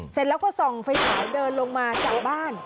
เสร็จแล้วก็ส่องไฟฉายเดินลงมาจากบ้าน